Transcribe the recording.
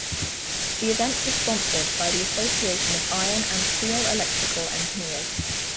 The event was sponsored by the Association of Iron and Steel Electrical Engineers.